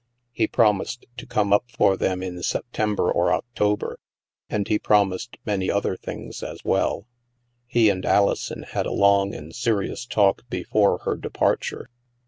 He promised to come up for them in September or October, and he promised many other things as well. He and Alison had a long and serious talk before her departure.